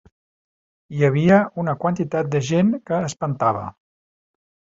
Hi havia una quantitat de gent que espantava.